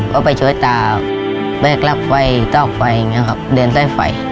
ก็ไปช่วยตาแบกรับไฟต้าไฟอย่างนี้ครับเดินใต้ไฟ